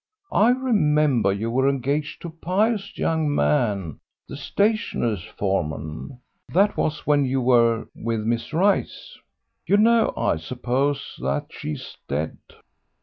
I remember you were engaged to a pious young man, the stationer's foreman. That was when you were with Miss Rice; you know, I suppose, that she's dead."